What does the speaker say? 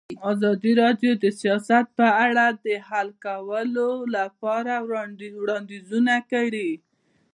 ازادي راډیو د سیاست په اړه د حل کولو لپاره وړاندیزونه کړي.